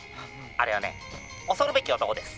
あれはね恐るべき男です」。